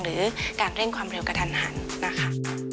หรือการเร่งความเร็วกระทันหันนะคะ